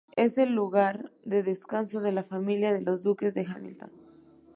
Es el lugar de descanso de la familia de los duques de Hamilton.